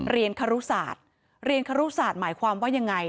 ครุศาสตร์เรียนครุศาสตร์หมายความว่ายังไง